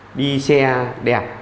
đã đi xe đẹp